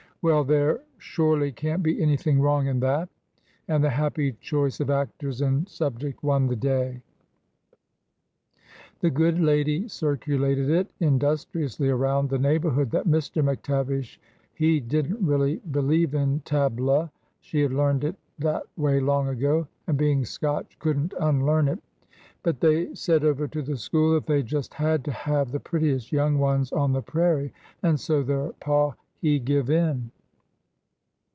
Well! there shorely can't be anything wrong in that I " And the happy choice of actors and subject won the day. The good lady circulated it industriously around the neighborhood that Mr. McTavish he did n't really be lieve in tablux " (she had learned it that way long ago, and, being Scotch, could n't unlearn it) ; but they said over to the school that they just had to have the prettiest young ones on the prairie, and so their pa he give in."